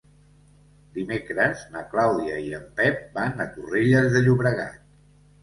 Dimecres na Clàudia i en Pep van a Torrelles de Llobregat.